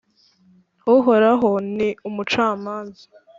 Uhoraho ni umucamanza,